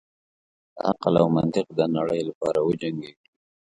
د عقل او منطق د نړۍ لپاره وجنګیږو.